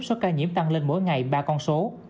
số ca nhiễm tăng lên mỗi ngày ba con số